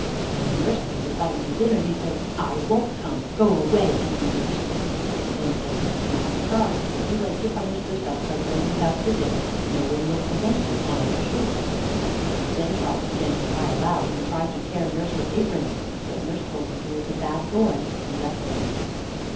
When nurse came to call him to dinner, he said: "I won't come; Go away, ugly nurse!" Then said nurse: "Master Charles, if you like to punish yourself by going without your dinner, no one will prevent you, I am sure." Then Charles began to cry aloud, and tried to tear nurse's apron; but nurse told him he was a bad boy, and left him.